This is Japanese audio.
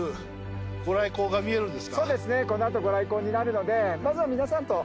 この後御来光になるのでまずは皆さんと。